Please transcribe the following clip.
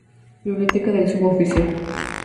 Biblioteca del Suboficial.